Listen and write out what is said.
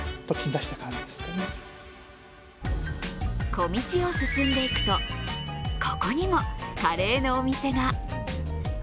小道を進んでいくとここにもカレーのお店が。